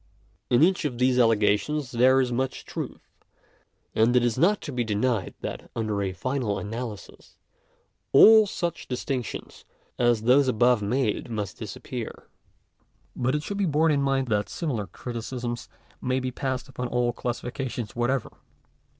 In each of these allegations there is much truth ; and it is not to be denied that under a final analysis, all such distinc tions as those above made must disappear. But it should be borne in mind that similar criticisms may be passed upon all classifications whatever.